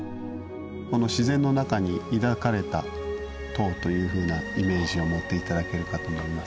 この自然の中に抱かれた塔というふうなイメージを持っていただけるかと思います。